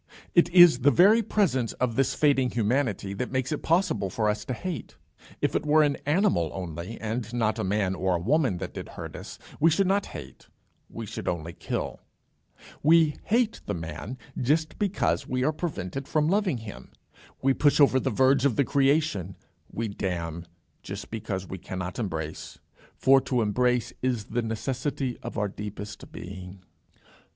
It is the very presence of this fading humanity that makes it possible for us to hate. If it were an animal only, and not a man or a woman that did us hurt, we should not hate: we should only kill. We hate the man just because we are prevented from loving him. We push over the verge of the creation we damn just because we cannot embrace. For to embrace is the necessity of our deepest being.